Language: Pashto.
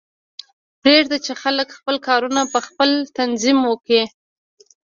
پریږده چې خلک خپل کارونه پخپله تنظیم کړي